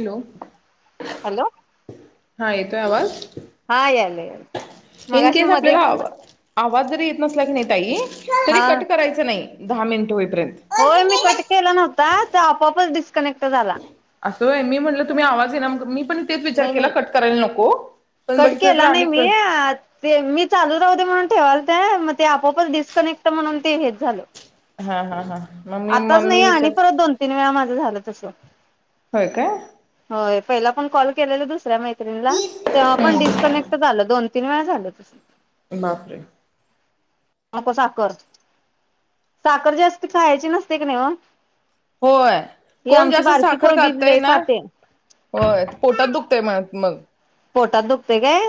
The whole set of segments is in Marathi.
हॅलो हॅलो तोय आवाज हा यायला याला मगाशी इनके स आपल्याला मध्येच आवाज जरी येत नसला की नाय ताई तरी हा कट करायचं नाही. दहा मिनट होईल होय मी कट केला नव्ह हुता तो आपापच डिस्कनेक्ट झाला. होय मी म्हणलं तुम्ही आवाज ये ना मी मी पण तेच विचार नाही केला नाही कट करायला नको. पण कट बघितलं तर केला नाही आणि क मी ते मी चालू [unintelligible] म्हणून ठेवा ल ते आपोपच डिकनेक्ट म्हणून ते हेच झाल. हा हा हा मम्मी आताच मम्मी नाही आणि विचार परत दोन तीन वेळा माझ झाल रिकामा ऑडिओ होय काय [inaudible] होय पहिला पण कॉल केलेला दुसऱ्या मै रिकामा ऑडिओ [inaudible] [unintelligible] हम्म डिसकनेक्ट झाल. दोन तीन वेळा झाल तस बापरे नको साखर. साखर जास्त खायाची नसते कणी ओ? होय कोण जास्त साखर पोरगी खातय लय ना खाते होय पोटात दुखतय म मग पोटात दुखतय काय?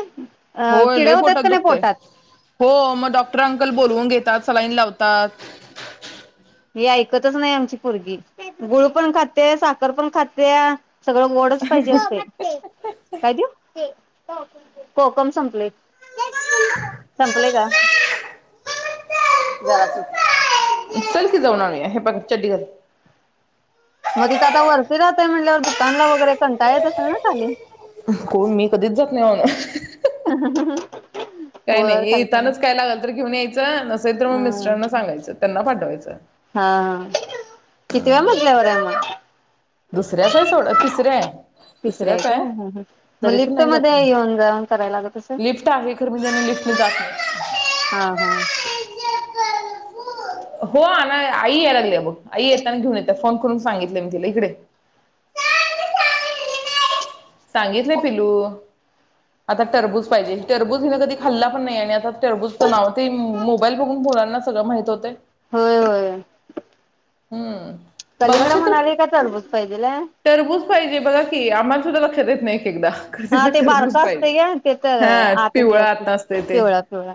अ होय किडे लय होतात पोटात का नाय दुखतय पोटात हो मग डॉक्टर अंकल बोलवून घेतात सलाईन लावतात. हे ऐकतच नाही आमची पोरगी गुळ पण खाते साखर पण खातेया सगळ गोडच पाहिजे असतय काय देऊ? कोकम संपलय संपलय का? जराच चल की जाऊन आणू या हे बघ चड्डी घाल. म तिथ आता वरती राहताय म्हणल्यावर दुकानला वगैरे कंटाला येत असेल ना खाली कोण मी कधीच जात नाय काय नाय वर खाली खाली येतानाच काय ना काय तर घेऊन यायच नसेल तर म मिस्टराना सांगायच त्यांना पाठवायच हा हा कितव्या मजल्यावर हे म दुसऱ्याच आहे सोड तिसऱ्या आहे. तिसऱ्या तिसऱ्याच काय आहे ह ह मग तरी पण लिफ्ट नाही मध्ये जात मी. येऊन जाऊन करायला लागत असेल लिफ्ट आहे खर मी ज लिफ्टने जात नाही हा हा [unintelligible] हो आना आई यायला लागली बघ आई येताना घेऊन येत फोन करून सांगितले मी तिला इकडे ये सांगितल पिलू आता टरबूज पाहिजे टरबूज हिन कधी खाल्ला पण नाये आणि आता टरबुजच नाव ते मोबाईल बघून मुलांना सगळ माहित होतय. होय होय हूं कलिंगड म्हणाले काय सरबत पाहिजेल हाय? टररबूज पाहिजे बघा की आम्हाला सुद्धा लक्षात येत नाही. एक एकदा खरं हा तिला ते बारक टरबूज पाहिजे. असतंय ग ते तर हा आत हे पिवळं असते आता असतंय ते पिवळ्या पिवळ्या.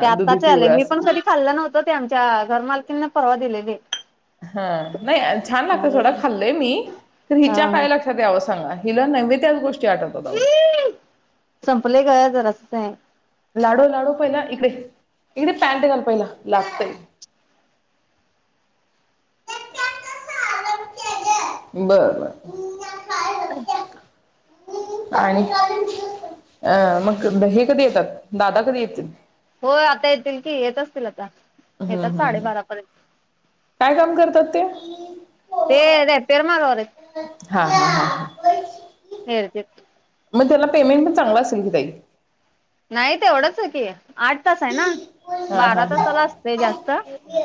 ते दुधी आत्ताच आलेय पिवळं मी असं पण कधी खाल्लं नव्हतं ते आमच्या घर मालकींन परवा दिलेेले हा नाही छान लागतय सोडा, हा खाल्लंय मी. खरं हिच्या हा काय लक्षात यावं सांगा. हिला नवे त्याच गोष् हं संपले ग जरासं साय लाडू, लाडू पहिला इकड ये, इकड ये पॅन्ट घाल पहिला लागतय. बर, बर. [inaudible] आणि अं मग हे कधी येतात दादा कधी येतील? होय आता येतील की येत असतील आता हम्म, येतात हम्म, हम्म. साडेबारापर्यंत काय काम करतात ते? ते ऱ्यांपीयर मागावर हाईत. हां, हां, हां, हां. हेरत्यात मग त्याला पेमेंट पण चांगलं असेल की ताई? नाही तेवढंच आहे की. आठ तास आहे ना? हा हा बारा तासाला असतंय हा जास्त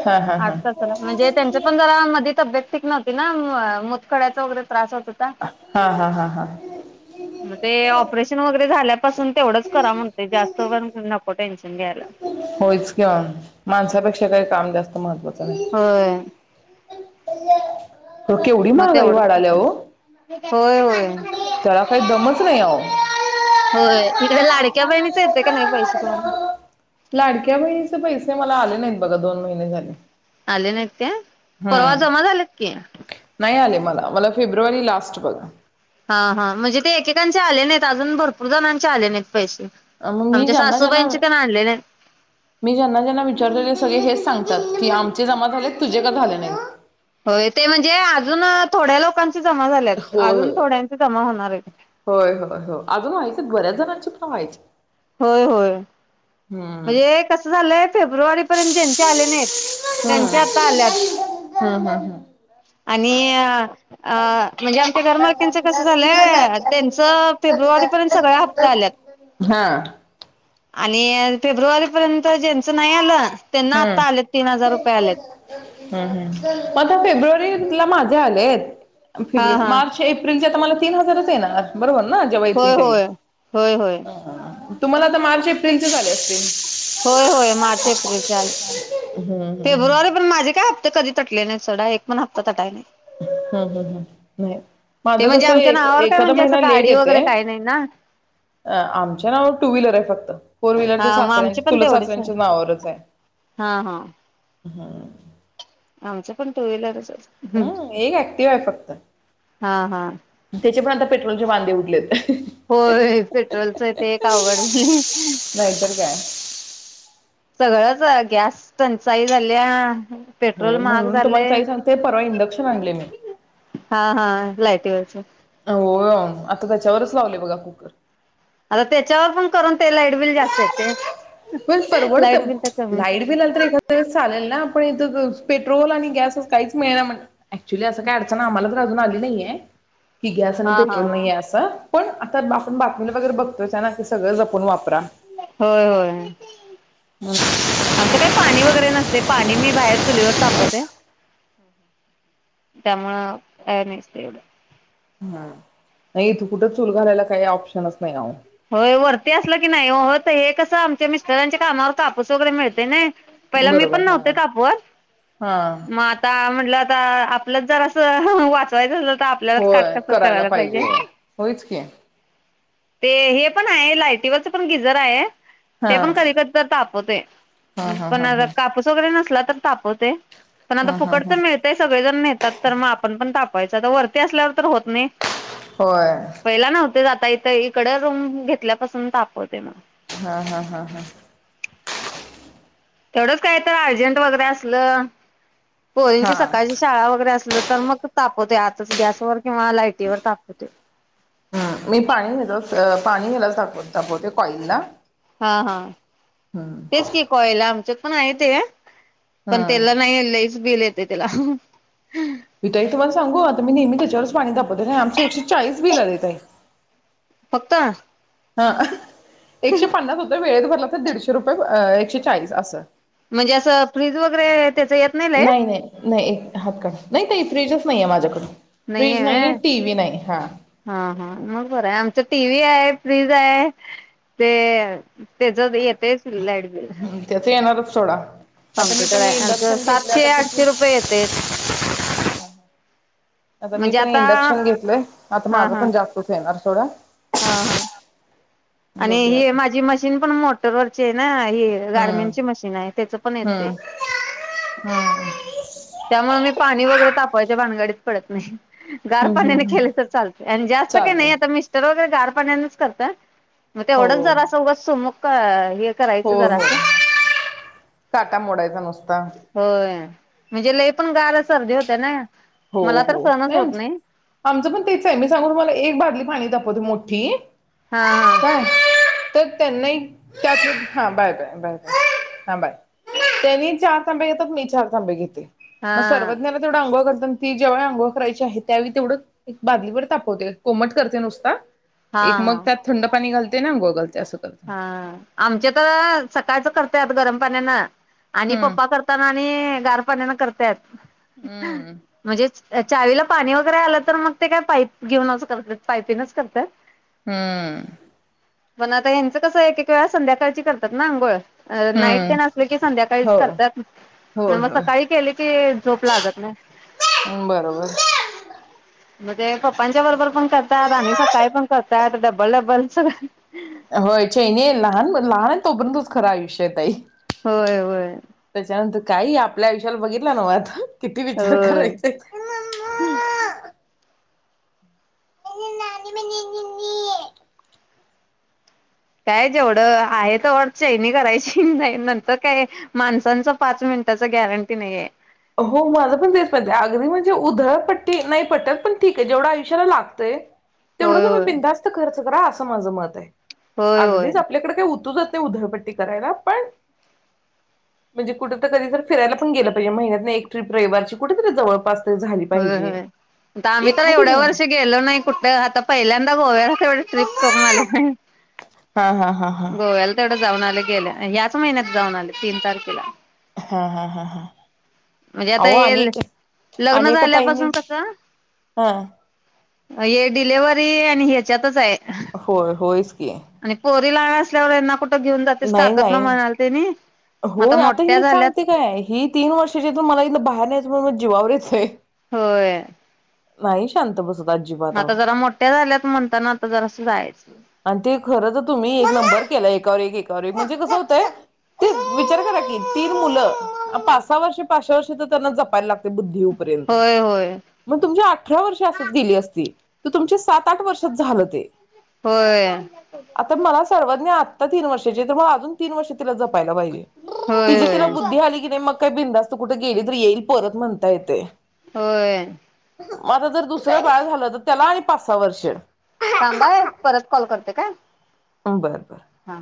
हा हा आठ तासाला म्हणजे त्यांच्या पण जरा मधी तब्येत नव्हतीना मु मुतखड्याचा वगैरे त्रास होत होता हा हा हा हा मग ते ऑपरेशन वैगरे झाल्यात. न तेवढंच करा म्ह जास्त वन [unintelligible] टेनशन घ्याला होयच की ओ माणसापेक्षा काही काम जास्त महत्वा होय. हो केवढी मग महागाई तेवढंच वाढाल्या करते. ओ. होय, होय. त्याला काही दमच नाही आहो. होय इकडे लाडक्या बहिणीच येतंय काय नाही पैसे तुम्हाला? लाडक्या बहिणीचे पैसे मला आले नाही. बघा दोन महिने झाले. आले नाहीत काय? परवा हम्म जमा झालेत की. नाही आले मला, मला फेब्रुवारी लास्ट बघा. हा हा म्हणजे ते एकेकांचे आले नाहीत अजून भरपूर जणांचे आले नाहीत पैसे. अ मग मी आमच्या ज्यांना ज्यांना सासूबाईंचे तेन आणले नाहीत. मी ज्यांना ज्यांना विचारलेले सगळे हेच सांगते ती आमचे जमा झालेत तुझे का झाले ह [inaudible] होय ते म्हणजे अजून थोड्या लोकांच जमा झाल्यात होय अजून थोड्यां जमा होणार आहेत होय होय होय हो अजून [unintelligible] होय होय. हम्म. म्हणजे कसं झालंय फेब्रुवारीपर्यंत ज्यांचे आले नाहीत त्यांचे आता आल्यात हम्म हम्म हम्म. आणि आ म्हणजे आमच्या घर मालक्यांच कस झालंय त्यांच फेब्रुवारीपर्यंत सगळ्या हप्ता आल्यात हम्म हा. आणि फेब्रुवारी पर्यंत ज्यांचं नाई आलं त्यांना आता हम् आलेत तीन हजार रुपये आलेत ह् ह मग आता फेब्रुवारीला माझे आलेत हा फेब्रु हा मार्च च्या एप्रिलच्या मला तीन हजारच येणार. बरोबर ना जेव्हा होय येतील होय होय होय हा हा तुम्हाला आ मार्च एप्रिल चे आलेत [inaudible] होय होय मार्च एप्रिल चे आले हम्म हम्म फेब्रुवारी पर्यंत माझे काय ते कधी तटले नाही सोडा एक पण हप्ता टाकायं नाही हम्म हम्म हम्म नाही ते माझं म्हणजे कस आमच्या नावावर काय एखादा म्हणजे महिना असं लेट गाडी येते वगैरे काही नाही ना आमच्या नाव टू व्हीलर आहे फक्त फोर व्हीलरच्या हा मग सासऱ्यां आमची पण चुलत तेवढीच आहे सासऱ्यांच्या नावावरच आहे हा हा हां आमचं पण टू व्हीलरच हम एक ऍक्टिव्ह आहे फक्त हा हा त्याचे पण आता पेट्रोलचे वांदे उडलेत हे होय पेट्रोलचं ते एक अवघड नाहीतर काय. सगळंच गॅस टंचाई झाल्या पेट्रोल होय महाग म्हणून तुम्हाला झालय ताई सांगते परवा इंडक्शन आणले मी लाईटवरच हो आता त्याच्यावरच लावले बघा कुकर आता त्याच्यावर पण करून ते लाईटबिल जास्त येतय ब परवडत लाईट बिल तर कमी लाईट बि आल तर एखाद्या वेळेस चालेल ना आपण इथ पेट्रोल आणि गॅस काहीच मिळेना ऍक्च्युली असं काय अडचण आम्हाला तर अजून आली नाहीय कि गॅस आणि हा हा पेट्रोल नाही ये अस पण आता आपण बातमीला वगैरे बघतोयचं हैना की सगळं जपून वाप होय होय आमचं काय पाणी वगैरे नसतंय पाणी मी बाहेर चुलीवर तापवते त्यामुळं काय नसतंय एवढं ना [unintelligible] इथं कुठ चूल घालायला काही ऑप्शनच नाही अहो. होय वरती असलं की नई ओ होत हे कसं आमच्या मिस्टरांच्या कामावर कापूस वगैरे मिळतय नई. पहिला मी बरोबर पण हा नव्हते तापवत हा मग आता म्हटलं ता आपलंच जरासं वाचवाय झालं होय करायला पाहिजे होयच की ते हे पण हाय लायटीवरच पण गिजर आहे. हा ते पण कधी कधी तर ताप होतय हा हा पण हा आता हा कापूस वगैरे नसला तरच तापवतय. पण आता हा हा फुकट हा तर मिळतय सगळेजण नेतात तर मग आपण पण ताप व्हयच तर वरती असल्यावर तर होत नाई होय. पहिला नव्हते जात ताई ताई इकड रूम घेतल्यापासून तापवतय मग. हां हां हां हां तेवढंच काय तर अर्जंट वगरे असलं हा पोरींची सकाळची शाळा वगैरे असन तर मग तापवते आतच गॅसवर हा लायटीवर तापवते अ पाणी हेलाचं ताप तापवते कॉईलला हां हां तेच की कॉइल आमच्यात पण आहे ते पण हम्म तेला नाई लईच बिल ये ये त्याला मी ताई तुम्हाला सांगू आता मी नेहमी त्याच्यावरच पाणी तापवते काय आमचं एकशे चाळीस बिल आले ताई [inaudible] हां एकशे पन्नास होतय वेळेत भरला दीडशे रुपये अ एकशे चाळीस असं म्हणजे असं फ्रीज वगैरे त्याच येत लाईट नाही नाही, नाही हात काढ नाही ताई फ्रिजच. नाहीये माझ्याकड. नाही हाय? हा हा मग बरं हाय, आमच्यात टीव्ही हाय फ्रीज आहे ते त्याच्यात येतयच लाईटबी त्याच येणारच थोडा कॉम्प्युटर आहे, आमच सातशे - किती आठशे रुपये येतयच आता मी पण इंडक्शन घेतलय आता हा माझ हा पण जास्तच यायलय आस सोडा. हा हा आणि बघूया ही आता माझी मशीन पण मोटरवर शेनाय ही हम्म गारमेंटची मशीन आहे, त्याच पण येतय. हम्म हम्म त्यामुळे मी पाणी वगैरे तापवायच्या भानगडीत पडत नाही गार हम्म पाण्याने हम्म केले तर चालते आणि जास्त काही नाही चालतंय आता मिस्टर वगैरे गार पाण्यानच करताय? मग हो तेवढंच जरास उगच सोमळ मग. काय हाय? हो हो काटा मोडायचा नुसता होय. म्हणजे लई पण गार सर्दी होते नई हो हो नाही आमच आमच पण तेच आहे मी सांगू मग एक बादली पाणी तापवते मो झी हा [unintelligible] काय तर? त्यांनाही त्यात हा बाय बाय बाय बा हा बाय, त्यांनी चार तांबे घेतात मी चार तांबे घेते. हा मग हा सर्वज्ञा ला तेवढं अंघोळ घाल ती ज्यावेळी आंघोळ करायची आहे, त्यावेळी तेवढच एक बादलीभर तापवते, कोमट करते नुसता हा एक मग हा. त्यात थंड पाणी घाल. ते नाय गोगल हा आमच्या तर, सकाळच करत्यात गरम पाण्यान आणि हम्म पप्पा करताना ते गार पाण्यान करत्यात. हम्म म्हणजेच चावीला पाणी वगैरे आलं तर मग ते काय पाईप घेऊन असं करतात पायपिनच करतात हम्म पण आता कसं एक एक वेळा संध्याकाळची करतात ना अंघोळ अ नाईट ते हम्म नसले की हो संध्याकाळीच करतात होय मग सकाळी होय केले की झोप लागत नाही बरोबर मणज ते पप्पांच्या बरोबर पण करतात आणि स काळी पण करतात डबल डब्बलच होय चिनी लहान लहान आहे तोपर्ंतुच खरं आयुष्यताई होय होय काही आपल्या आयुष्याला बघितलं नव आता किती विचार होय. करायचे? नानमन नि मीे काय जेवढं आहे तेवढं चैनी करायची नाही नंतर काय माणसांच पाच मिनिटाच गॅरंटी नाहीय हो माझं पण तेच माहितीे अगदी म्हणजे उधळ पट्टी नाही पटल पण ठीक आहे जेवढं आयुष्याला लागतंय तेवढं होय तुम्ही होय बिंदास्त करत करा असं माझं मत आहे होय होय अगदीच आपल्याकडे काही उतू जात उधळपट्टी करायला पण म्हणजे कुठ कधी फिरायला पण गेलं पाहिजे महिन्यात एक ट्रप रविवारची कुठेतरी जवळपास तर झाली होय पाहिजे. होय आम्ही तर एखादी एवढ्या महिना वर्षी गेलो नाही कुठे आता पहिल्यांदा गोव्यालाच एवढी ट्रिप करून आलूय हा हा हा हा जाऊन आले गेले याच महिन्यात जाऊन आले तीन तारखेला हा हा हा हा म्हणजे आता अहो येल अनेक लग्न अनेक ताईंनी झाल्यापासून कसं हा हे डिलेवर्हरी आणि ह्याच्यातच आहे होय होयच की तिला असल्यावर घेऊन जातेस काकत ना म्हणाल त्यांनी हो आता मी सांगते काय ही तीन वर्षाची आग मला इथ बाहेर निघायचं म्ह मग जीवावर येतंय होय नाही शांत बसत नाही मग आजिबात आहो आता जरा मोठ्या झाल्यात म्हणताना आता जरा असं जायचं आणि ते खर तर तुम्ही एक नंबर केला एकावर एक तरी म्हणजे कसं होतंय तेच विचार करा की तीन मुलं पाच सहा वर्षे पाच सहा वर्षे तर त्यांना जपायला लागते बुद्धिग होय होय मग तुमच्या अठरा वर्ष असच गेली असती त तुमच्या सात आठ वर्षात झालं ते होय आता मला सर्वज्ञ तीन वर्षाचे मग अजून तीन वर्षला ज पाहिला पाहिजे तिची होय तिला होय बुद्धी झाली की नाही मग काही बिंदास्त तू कुठे गेली तर येईल परत म्हणता येते होय मग आता जर दुसरं बाळ झालं तर त्याला आणि पाच सहा वर्ष थांबाय परत कॉल करते काय ह बर बर हा